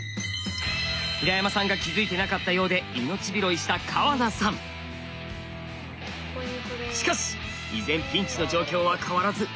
平山さんが気付いてなかったようでしかし依然ピンチの状況は変わらず。